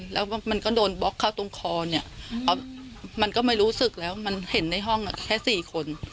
แล้วมันก็โดนบล็อกเข้าตรงคอเนี่ยมันก็ไม่รู้สึกแล้วมันเห็นในห้องแค่๔คน